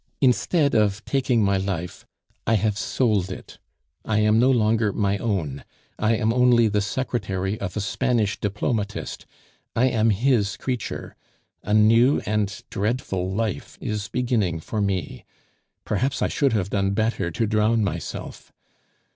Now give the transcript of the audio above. Instead of taking my life, I have sold it. I am no longer my own; I am only the secretary of a Spanish diplomatist; I am his creature. A new and dreadful life is beginning for me. Perhaps I should have done better to drown myself.